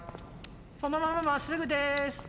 そのまままっすぐです！